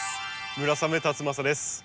村雨辰剛です。